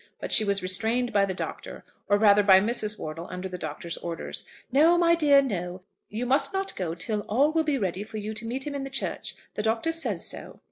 But she was restrained by the Doctor, or rather by Mrs. Wortle under the Doctor's orders. "No, my dear; no. You must not go till all will be ready for you to meet him in the church. The Doctor says so."